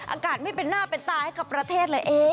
อากาศไม่เป็นหน้าเป็นตาให้กับประเทศเลย